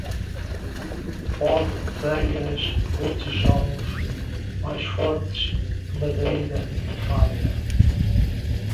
Pode telhas ou tijolos, mais fortes que madeira de faia.